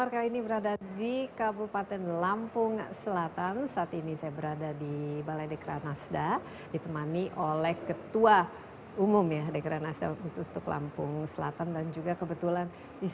ketua dekranasda di lampung selatan